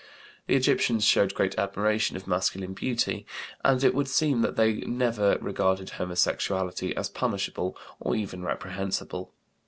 The Egyptians showed great admiration of masculine beauty, and it would seem that they never regarded homosexuality as punishable or even reprehensible.